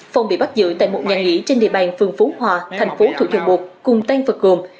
phong bị bắt giữ tại một nhà nghỉ trên địa bàn phường phú hòa thành phố thủy thường bột cùng tân phật gồm